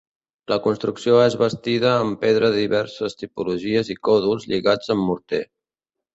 La construcció és bastida amb pedra de diverses tipologies i còdols, lligats amb morter.